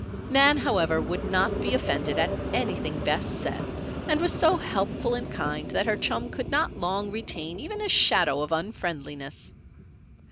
Nan, however, would not be offended at anything Bess said, and was so helpful and kind that her chum could not long retain even a shadow of unfriendliness.